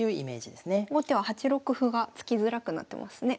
後手は８六歩が突きづらくなってますね。